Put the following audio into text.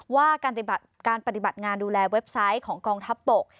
ว่าการปฏิบัติงานดูแลเว็บไซต์ของกองทัพบก